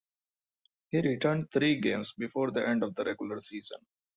He returned three games before the end of the regular season.